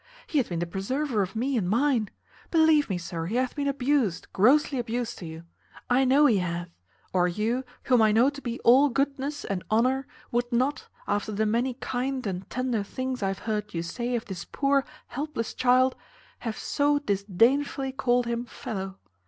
He hath been the preserver of me and mine. Believe me, sir, he hath been abused, grossly abused to you; I know he hath, or you, whom I know to be all goodness and honour, would not, after the many kind and tender things I have heard you say of this poor helpless child, have so disdainfully called him fellow.